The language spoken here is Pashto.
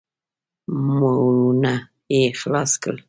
مولونه يې خلاص کړل.